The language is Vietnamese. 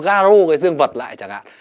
garo cái dương vật lại chẳng hạn